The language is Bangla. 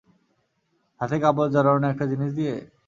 হাতে কাপড়ে জড়ানো একটা জিনিস নিয়ে?